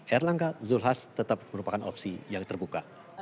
erlangga zulhas tetap merupakan opsi yang terbuka